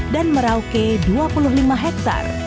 dan merauke dua puluh lima hektar